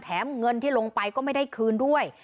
เงินที่ลงไปก็ไม่ได้คืนด้วย